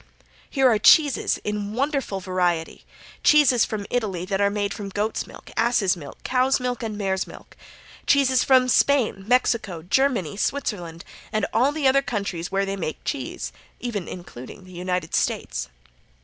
Here are cheeses in wonderful variety. Cheeses from Italy that are made from goats' milk, asses' milk, cows' milk and mares' milk, and also cheeses from Spain, Mexico, Germany, Switzerland, and all the other countries where they make cheese, even including the United States.